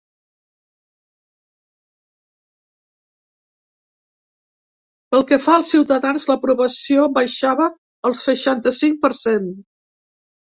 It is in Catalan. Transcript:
Pel que fa als ciutadans, l’aprovació baixava al seixanta-cinc per cent.